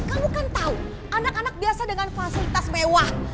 kamu kan tahu anak anak biasa dengan fasilitas mewah